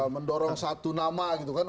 mendorong satu nama gitu kan